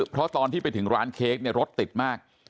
เพราะว่าตอนที่ไปถึงร้านเค้กรถติดมาก